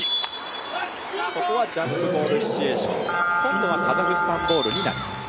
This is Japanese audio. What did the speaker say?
ここはジャンプボールシチュエーション今度はカザフスタンボール。